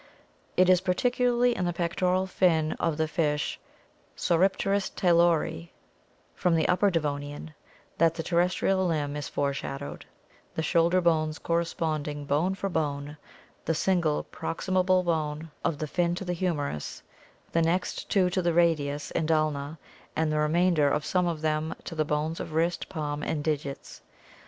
It is particularly in the pectoral fin of the fish Saurip terus laylort, Figure 141, from the Upper Devonian, that the ter restrial limb is foreshadowed, the shoulder bones corresponding bone for bone, the single proximal bone of the fin ■to the humerus, the next two to the radius and ulna, and the remainder, or some of them, to the bones of wrist, palm, and digits.